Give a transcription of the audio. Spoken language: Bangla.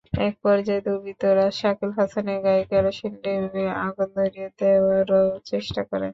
একপর্যায়ে দুর্বৃত্তরা শাকিল হাসানের গায়ে কেরোসিন ঢেলে আগুন ধরিয়ে দেওয়ারও চেষ্টা করে।